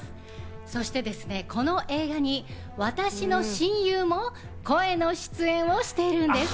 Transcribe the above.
そしてですね、この映画に私の親友も声の出演をしているんです！